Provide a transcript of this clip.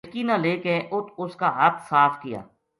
بیٹکی نا لے کے اُت اس کا ہتھ صاف کیا۔